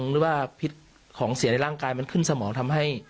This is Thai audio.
หรือว่าพิษของเสียในร่างกายมันขึ้นสมองทำให้